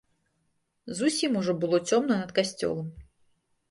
Зусім ужо было цёмна над касцёлам.